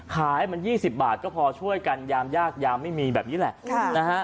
ขายมัน๒๐บาทก็พอช่วยกันยามยากยามไม่มีแบบนี้แหละนะฮะ